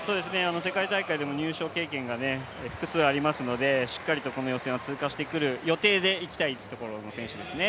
世界大会でも入賞経験が複数ありますのでしっかりとこの予選は通過してくる予定でいきたいところの選手ですね。